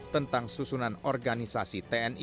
tentang susunan organisasi tni